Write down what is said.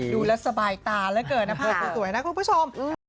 ดูแล้วสบายตาแล้วเกิดนะค่ะโชคสวยนะคุณผู้ชม